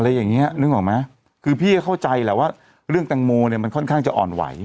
อย่างเงี้นึกออกไหมคือพี่ก็เข้าใจแหละว่าเรื่องแตงโมเนี่ยมันค่อนข้างจะอ่อนไหว